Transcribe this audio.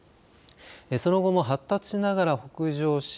その後も発達しながら北上し